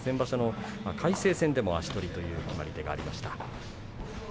魁聖戦でも足取りという決まり手がありました。